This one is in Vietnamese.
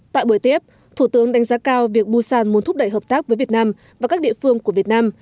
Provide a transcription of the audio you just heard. tại buổi tiếp thủ tướng đánh giá cao việc busan muốn thúc đẩy hợp tác với việt nam và các địa phương của việt nam